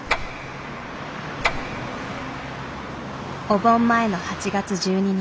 お盆前の８月１２日。